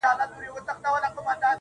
لا به په تا پسي توېږي اوښکي.